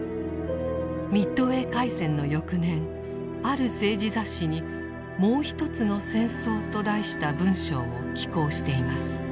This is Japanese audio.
ミッドウェー海戦の翌年ある政治雑誌に「もうひとつの戦争」と題した文章を寄稿しています。